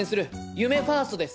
夢ファーストです。